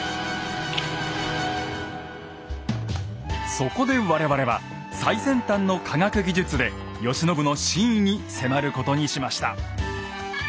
そこで我々は最先端の科学技術で慶喜の真意に迫ることにしました。